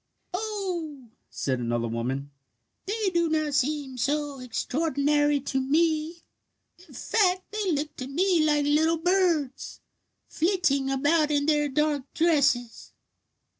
"Oh," said another woman, "they do not seem so extraordinary to me. In fact, they look to me like little birds, flitting about in their dark dresses."